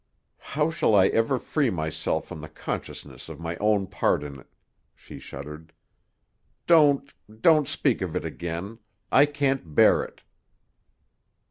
"How shall I ever free myself from the consciousness of my own part in it?" she shuddered. "Don't—don't speak of it again. I can't bear it."